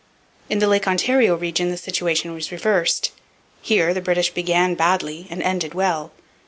In the Lake Ontario region the situation was reversed. Here the British began badly and ended well.